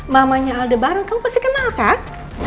mamanya aldebaran kamu pasti kenal kan